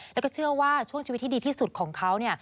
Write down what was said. แล้วก็เชื่อว่าช่วงชีวิตที่ดีที่สุดของเขาเนี่ย